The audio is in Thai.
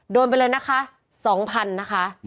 โดนไปเลยนะคะ๒๐๐๐นะคะ